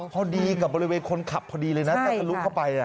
พอดีกับบริเวณคนขับพอดีเลยนะถ้าทะลุเข้าไป